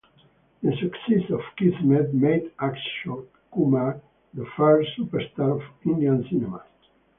The success of Kismet made Ashok Kumar the first superstar of Indian cinema.